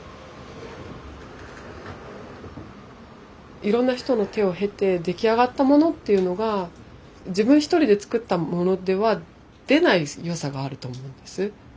いろんな人の手を経て出来上がったものっていうのが自分一人で作ったものでは出ない良さがあると思うんです。